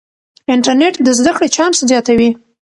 انټرنیټ د زده کړې چانس زیاتوي.